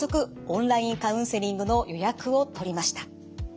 オンラインカウンセリングの予約を取りました。